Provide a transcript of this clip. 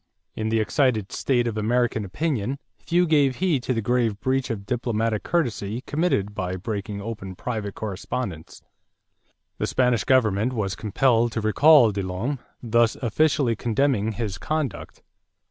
In the excited state of American opinion, few gave heed to the grave breach of diplomatic courtesy committed by breaking open private correspondence. The Spanish government was compelled to recall De Lome, thus officially condemning his conduct.